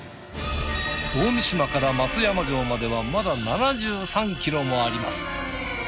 大三島から松山城まではまだ７３ｋｍもあります。